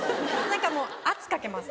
何かもう圧かけます